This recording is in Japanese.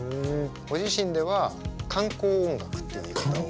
ご自身では観光音楽っていう言い方を。